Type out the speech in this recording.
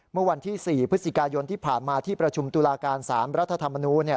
เมื่อวันที่๔พฤศจิกายนที่ผ่านมาที่ประชุมตุลาการ๓รัฐธรรมนูลเนี่ย